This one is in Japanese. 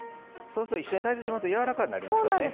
そうすると、一緒に炊くとやわらかくなりますよね。